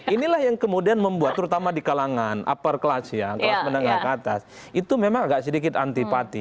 inilah yang kemudian membuat terutama di kalangan upper class ya kelas menengah ke atas itu memang agak sedikit antipati